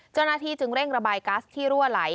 เจ้าหน้าที่จึงเร่งระบายกัสที่รั่วไหล